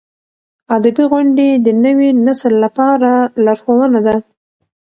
ادبي غونډې د نوي نسل لپاره لارښوونه ده.